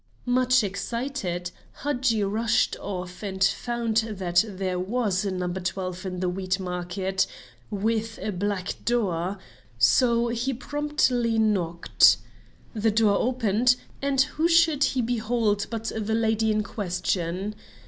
Much excited, Hadji rushed off and found that there was a No. 12 in the Wheat Market, with a black door, so he promptly knocked. The door opened, and who should he behold but the lady in question?